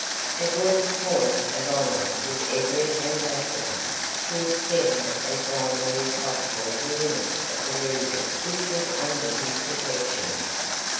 It was a point of honour with every Ambassador to extend as widely as possible the limits of the region which was under his protection.